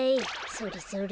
それそれ。